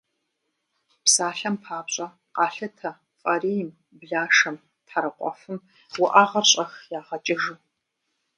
Псалъэм папщӏэ, къалъытэ фӏарийм, блашэм, тхьэрыкъуэфым уӏэгъэр щӏэх ягъэкӏыжу.